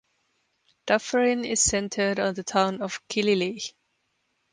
Dufferin is centred on the town of Killyleagh.